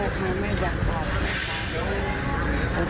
เป็นใจยะแพร่นั่นไหมฮะก็ไม่รู้ข้าวไว้ไอ้เลี่ยง